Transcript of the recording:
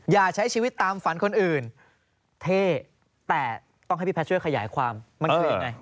อย่าใช้ชีวิตตามฝันคนอื่นเท่แต่ต้องให้พี่แพทย์ช่วยขยายความมันคือยังไง